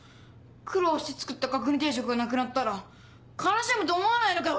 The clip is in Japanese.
苦労して作った角煮定食がなくなったら悲しむと思わないのかよ？